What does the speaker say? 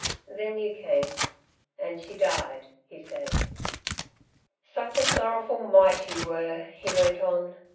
"Then you came ... and she died," he said. "Such a sorrowful mite you were!" he went on.